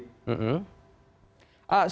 sudah ada laporan untuk ditindaklanjut